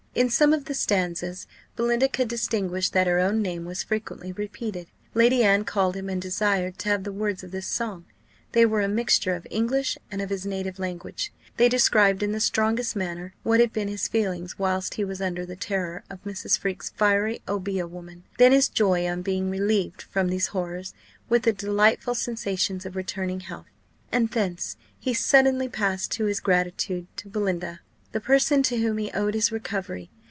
In some of the stanzas Belinda could distinguish that her own name was frequently repeated. Lady Anne called him, and desired to have the words of this song. They were a mixture of English and of his native language; they described in the strongest manner what had been his feelings whilst he was under the terror of Mrs. Freke's fiery obeah woman, then his joy on being relieved from these horrors, with the delightful sensations of returning health; and thence he suddenly passed to his gratitude to Belinda, the person to whom he owed his recovery.